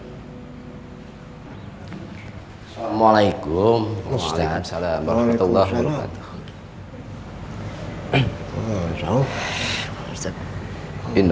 assalamualaikum pak ustadz